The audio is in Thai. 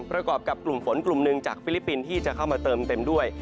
ประกอบกับกลุ่มฝนกลุ่มหนึ่งจากฟิลิปปินส์ที่จะเข้ามาเติมเต็มด้วย